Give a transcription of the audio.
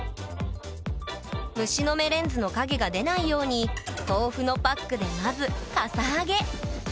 虫の眼レンズの影が出ないように豆腐のパックでまずかさ上げ。